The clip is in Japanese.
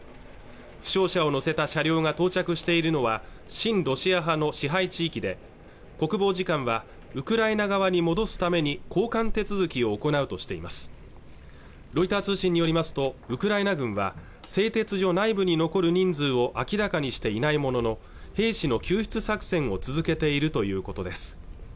負傷者を乗せた車両が到着しているのは親ロシア派の支配地域で国防次官はウクライナ側に戻すために交換手続きを行うとしていますロイター通信によりますとウクライナ軍は製鉄所内部に残る人数を明らかにしていないものの兵士の救出作戦を続けているということです